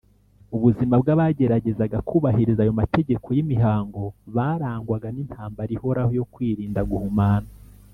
ubuzima bw’abageragezaga kubahiriza ayo mategeko y’imihango bwarangwaga n’intambara ihoraho yo kwirinda guhumana,